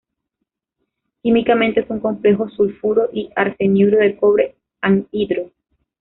Químicamente es un complejo sulfuro y arseniuro de cobre, anhidro.